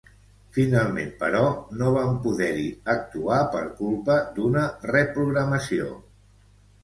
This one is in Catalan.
Finalment, però, no van poder-hi actuar per culpa d'una reprogramació.